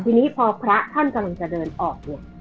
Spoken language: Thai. ทีนี้พอพระท่านกำลังจะเดินออกเนี่ย